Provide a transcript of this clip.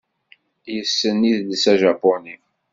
Yessen idles ajapuni.